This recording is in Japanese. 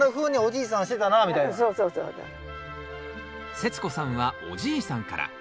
世津子さんはおじいさんから。